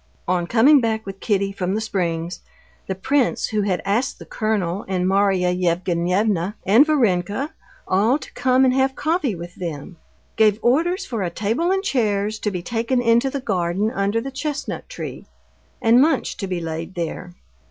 On coming back with Kitty from the springs, the prince, who had asked the colonel, and Marya Yevgenyevna, and Varenka all to come and have coffee with them, gave orders for a table and chairs to be taken into the garden under the chestnut tree, and lunch to be laid there.